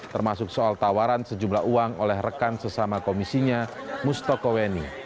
termasuk soal tawaran sejumlah uang oleh rekan sesama komisinya mustoko weni